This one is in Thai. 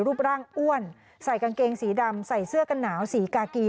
รูปร่างอ้วนใส่กางเกงสีดำใส่เสื้อกันหนาวสีกากี